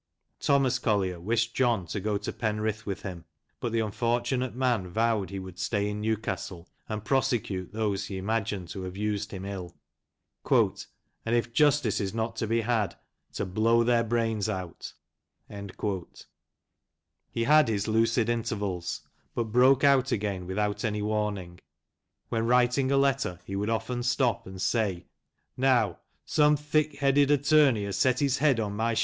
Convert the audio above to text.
Thomas Collier wished John to go to Penrith with him, but the unfortunate man vowed that he would stay in Newcastle and prosecute those he imagined to have used him ill, "and if iustice is not to be had, to blow their brains out." He had his lucid intervals, but broke out again without any warning. When writing a letter he would often stop and say, " Now, some thick headed attorney has set his head on my